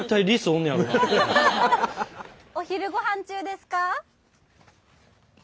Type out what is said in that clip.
お昼ごはん中ですか？